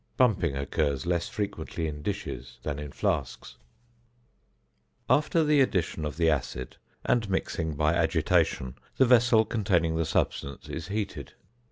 Bumping occurs less frequently in dishes than in flasks. [Illustration: FIG. 12.] After the addition of the acid, and mixing by agitation, the vessel containing the substance is heated.